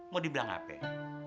mau dibilang apa ya